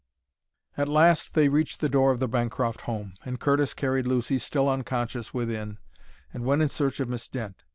At last they reached the door of the Bancroft home, and Curtis carried Lucy, still unconscious, within, and went in search of Miss Dent.